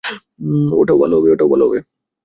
ওটাও ভালো হবে।